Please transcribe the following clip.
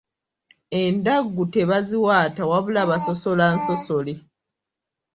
Endaggu tebaziwaata wabula basosola nsosole.